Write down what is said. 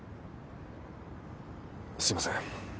すいません。